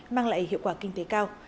mang lại hiệu quả kinh tế cao